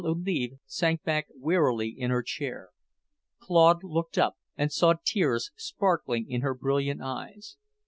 Olive sank back wearily in her chair. Claude looked up and saw tears sparkling in her brilliant eyes.